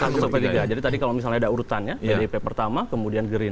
hasil survei tiga jadi tadi kalau misalnya ada urutannya dari ip pertama kemudian geril